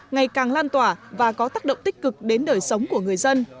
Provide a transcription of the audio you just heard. ngày càng lan tỏa và có tác động tích cực đến đời sống của người dân